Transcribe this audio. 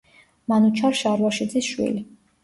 მანუჩარ შარვაშიძის შვილი.